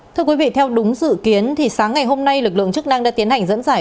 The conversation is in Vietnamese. thưa quý vị theo đúng dự kiến thì sáng ngày hôm nay lực lượng chức năng đã tiến hành dẫn dải